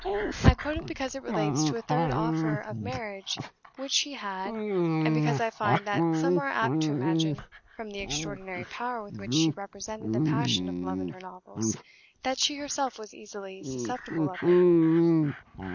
I quote it because it relates to a third offer of marriage which she had, and because I find that some are apt to imagine, from the extraordinary power with which she represented the passion of love in her novels, that she herself was easily susceptible of it.